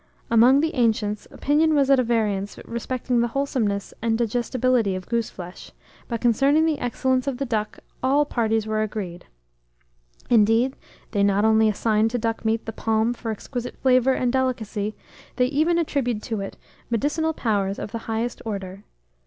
Among the ancients, opinion was at variance respecting the wholesomeness and digestibility of goose flesh, but concerning the excellence of the duck all parties were agreed; indeed, they not only assigned to duck meat the palm for exquisite flavour and delicacy, they even attributed to it medicinal powers of the highest order.